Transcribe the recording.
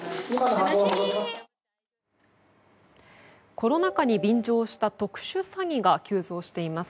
コロナ禍に便乗した特殊詐欺が急増しています。